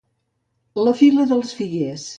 La fila dels figuers.